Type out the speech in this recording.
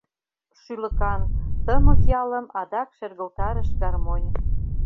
Шӱлыкан, тымык ялым адак шергылтарыш гармонь.